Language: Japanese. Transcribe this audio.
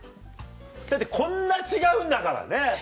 だってこんな違うんだからね。